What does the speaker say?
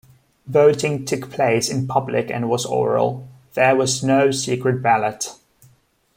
Voting took place in public and was oral; there was no secret ballot.